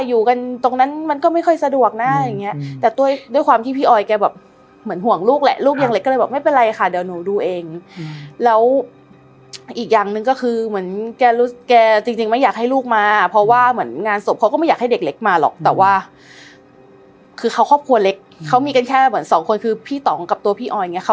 อยู่กันตรงนั้นมันก็ไม่ค่อยสะดวกนะอย่างเงี้ยแต่ด้วยด้วยความที่พี่ออยแกแบบเหมือนห่วงลูกแหละลูกยังเล็กก็เลยบอกไม่เป็นไรค่ะเดี๋ยวหนูดูเองแล้วอีกอย่างหนึ่งก็คือเหมือนแกรู้แกจริงจริงไม่อยากให้ลูกมาเพราะว่าเหมือนงานศพเขาก็ไม่อยากให้เด็กเล็กมาหรอกแต่ว่าคือเขาครอบครัวเล็กเขามีกันแค่เหมือนสองคนคือพี่ต่องกับตัวพี่ออยเงี